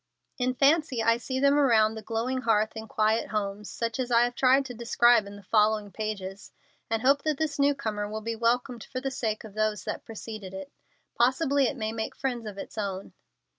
In fancy I see them around the glowing hearth in quiet homes, such as I have tried to describe in the following pages, and hope that this new comer will be welcomed for the sake of those that preceded it. Possibly it may make friends of its own.